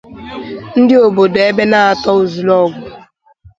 ndị obodo Ebenator Ozulogu